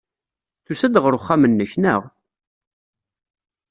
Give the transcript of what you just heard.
Tusa-d ɣer uxxam-nnek, naɣ?